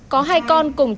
có hai con cùng trẻ